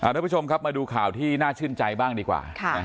ทุกผู้ชมครับมาดูข่าวที่น่าชื่นใจบ้างดีกว่า